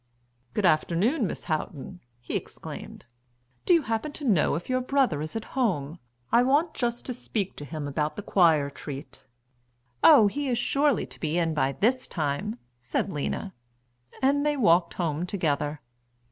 "Good afternoon, Miss Houghton," he exclaimed. "Do you happen to know if your brother is at home? I want just to speak to him about the choir treat." "Oh, he is sure to be in by this time," said Lena. And they walked home together.